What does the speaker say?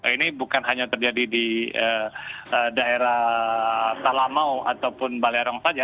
ini bukan hanya terjadi di daerah salamau ataupun balerong saja